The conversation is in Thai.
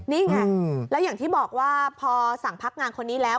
นี่ไงแล้วอย่างที่บอกว่าพอสั่งพักงานคนนี้แล้ว